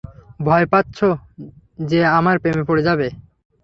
ভয় পাচ্ছ যে আমার প্রেমে পড়ে যাবে।